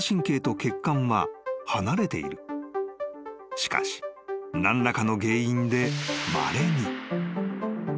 ［しかし何らかの原因でまれに］